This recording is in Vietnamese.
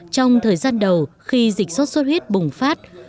trong thời gian đầu khi dịch sốt xuất huyết bùng phát